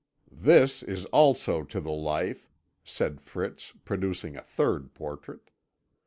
"This is also to the life," said Fritz, producing a third portrait.